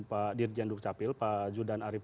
pak dirjenduk capil pak judan arief